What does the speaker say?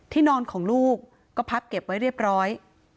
นอนของลูกก็พับเก็บไว้เรียบร้อย